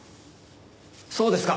そうですか。